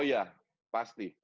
oh ya pasti